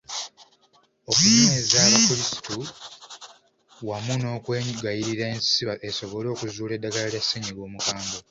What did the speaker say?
Okunyweza abakulisitu wamu n’okuwegayirira ensi esobole okuzuula eddagala lya ssennyiga omukambwe.